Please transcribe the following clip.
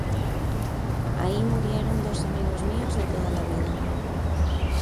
Ahí murieron dos amigos míos de toda la vida.